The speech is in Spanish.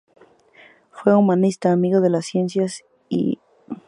Fue humanista, amigo de las ciencias y mecenas de las bellas artes.